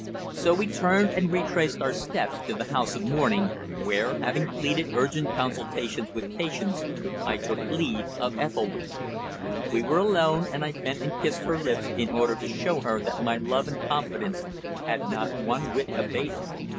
So we turned and retraced our steps to the house of mourning, where, having pleaded urgent consultations with patients, I took leave of Ethelwynn. We were alone, and I bent and kissed her lips in order to show her that my love and confidence had not one whit abated.